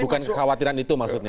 bukan kekhawatiran itu maksudnya